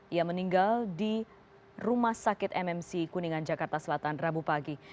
ia meninggal di rumah sakit mmc kuningan jakarta selatan rabu pagi